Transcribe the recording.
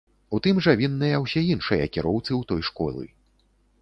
У тым жа вінныя ўсе іншыя кіроўцы ў той школы.